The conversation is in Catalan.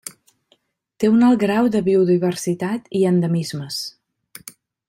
Té un alt grau de biodiversitat i endemismes.